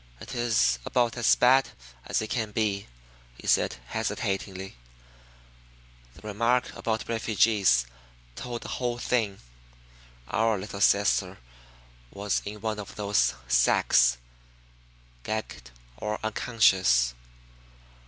"It is about as bad as it can be," he said hesitatingly. "The remark about refugees told the whole thing. Our little sister was in one of those sacks, gagged or unconscious.